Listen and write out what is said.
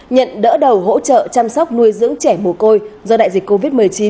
nhận đỡ đầu hỗ trợ chăm sóc nuôi dưỡng trẻ mồ côi do đại dịch covid một mươi chín